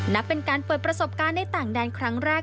นับเป็นการเปิดประสบการณ์ในต่างแดนครั้งแรก